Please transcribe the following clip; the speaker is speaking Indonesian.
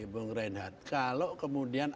bung reinhardt kalau kemudian